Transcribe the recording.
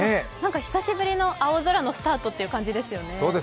久しぶりの青空のスタートという感じですよね。